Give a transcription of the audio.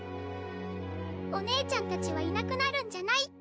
お姉ちゃんたちはいなくなるんじゃないって。